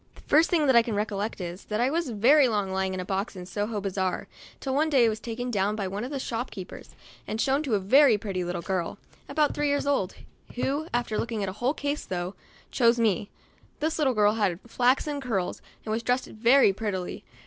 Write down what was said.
The first I can recollect is, that I was very long lying in a box in Soho bazaar, till one day I was taken down by one of the shopkeepers, and shown to a very pretty little girl, abont three years old, who, after looking a whole case through', chose me. This little girl had flaxen curls, and was dressed very prettily.